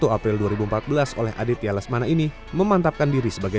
dua puluh april dua ribu empat belas oleh aditya lesmana ini memantapkan diri sebagai